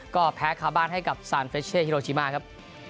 ก็แพ้คาบ้านให้กับซานเฟชเช่ฮิโรชิมาครับ